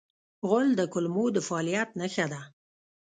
غول د کولمو د فعالیت نښه ده.